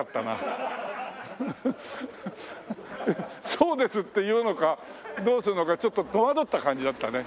「そうです」って言うのかどうするのかちょっと戸惑った感じだったね。